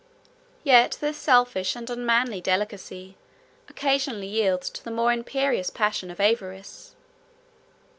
Yet this selfish and unmanly delicacy occasionally yields to the more imperious passion of avarice.